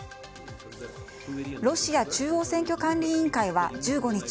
ロシア中央選挙管理委員会は１５日